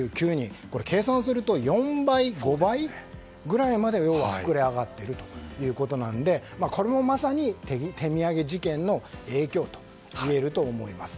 計算すると４倍、５倍くらいまで膨れ上がっているということなのでこれもまさに手土産事件の影響といえると思います。